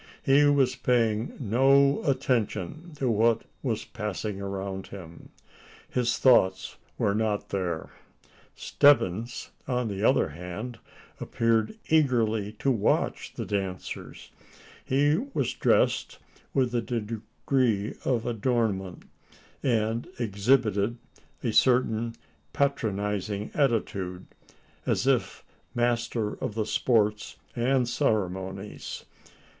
He was paying no attention to what was passing around him. His thoughts were not there? Stebbins, on the other hand, appeared eagerly to watch the dancers. He was dressed with a degree of adornment; and exhibited a certain patronising attitude, as if master of the sports and ceremonies!